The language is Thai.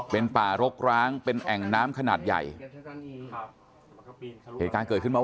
เป็นป่ารกร้างเป็นแอ่งน้ำขนาดใหญ่เหตุการณ์เกิดขึ้นมา